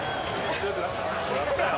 強くなったよ。